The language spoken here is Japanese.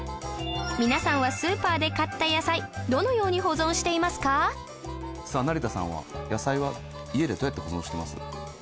皆さんはスーパーで買った野菜どのように保存していますか？さあ成田さんは野菜は家でどうやって保存してます？